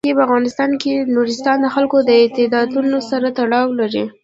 په افغانستان کې نورستان د خلکو د اعتقاداتو سره تړاو لري.